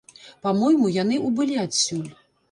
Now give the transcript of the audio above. Па-мойму, яны ўбылі адсюль.